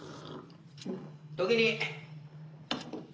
時に。